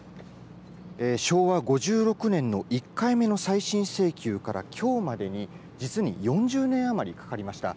昭和５６年の１回目の再審請求からきょうまでに実に４０年余りかかりました。